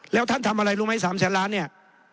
แล้วท่านทำอะไรรู้ไหม๓แสนล้านเนี่ย